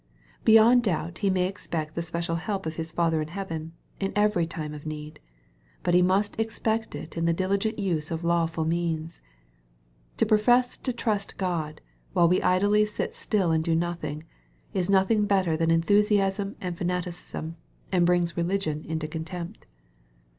Beyond doubt he may expect the special help of his Father in heaven, in every time of need. But he must expect it in the diligent use of lawful means. To profess to trust God, while we idly sit still and do nothing, is nothing better than enthusi asm and fanaticism, and brings religion into contempt.